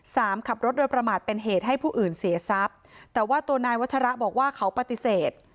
ขับรถโดยประมาทเป็นเหตุให้ผู้อื่นเสียทรัพย์แต่ว่าตัวนายวัชระบอกว่าเขาปฏิเสธ